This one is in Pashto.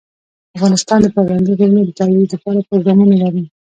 افغانستان د پابندي غرونو د ترویج لپاره پروګرامونه لري.